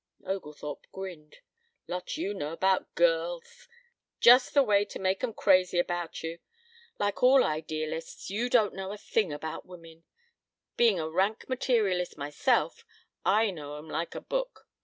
Oglethorpe grinned. "Lot you know about girls. Just the way to make 'em crazy about you. Like all idealists, you don't know a thing about women. Being a rank materialist myself, I know 'em like a book.